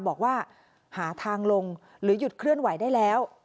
บอกว่าหาทางลงหรือหยุดเคลื่อนไหวได้แล้ว